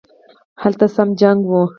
هلته سم جنګ وو